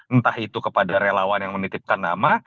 entah itu kepada relawan yang menitipkan nama